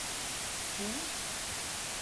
Ḥfu.